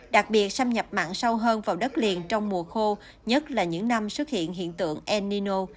đặc biệt xâm nhập mặn sâu hơn vào đất liền trong mùa khô nhất là những năm xuất hiện hiện tượng el nino